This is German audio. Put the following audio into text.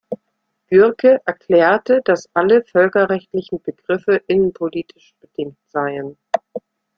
Gürke erklärte, dass alle völkerrechtlichen Begriffe „innenpolitisch bedingt“ seien.